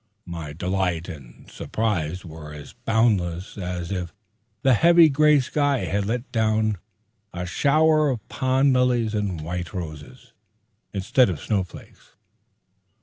My delight and surprise were as boundless as if the heavy gray sky had let down a shower of pond lilies and white roses, instead of snow flakes.